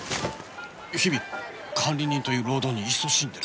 日々管理人という労働にいそしんでる